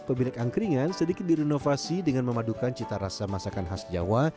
pemilik angkringan sedikit direnovasi dengan memadukan cita rasa masakan khas jawa